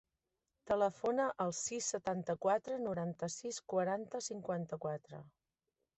Telefona al sis, setanta-quatre, noranta-sis, quaranta, cinquanta-quatre.